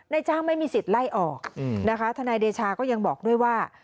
จ้างไม่มีสิทธิ์ไล่ออกนะคะทนายเดชาก็ยังบอกด้วยว่า